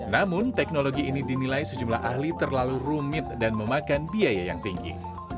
namun teknologi ini dinilai sejumlah ahli terlalu rumit dan memakan biaya yang tinggi